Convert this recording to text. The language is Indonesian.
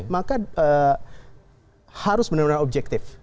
maka harus benar benar objektif